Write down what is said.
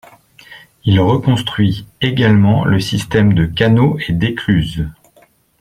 Il reconstruit également le système de canaux et d'écluses.